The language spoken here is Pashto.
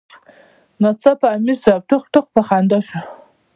ناڅاپه امیر صېب ټق ټق پۀ خندا شۀ ـ